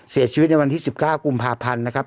เสียชีวิตในวันที่๑๙กุมภาพันธ์นะครับ